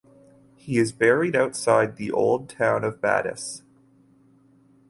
He is buried outside the old town of Badis.